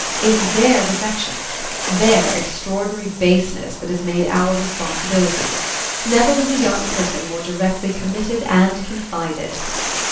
It's their defection, their extraordinary baseness, that has made our responsibility. Never was a young person more directly committed and confided."